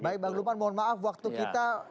baik bang lukman mohon maaf waktu kita